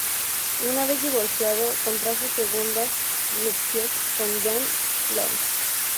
Una vez divorciado, contrajo segundas nupcias con Jan Lock.